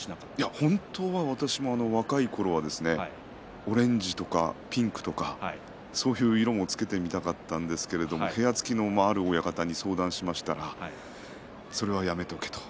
本当は、私も若いころはオレンジとかピンクとかそういう色もつけてみたかったんですけれど部屋付きのある親方に相談しましたらそれはやめておけと。